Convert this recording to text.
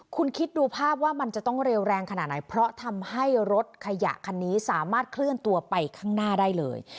คุณคิดดูภาพว่ามันจะต้องเร็วแรงขนาดไหนเพราะทำให้รถขยะคันนี้สามารถเคลื่อนตัวไปข้างหน้าได้เลย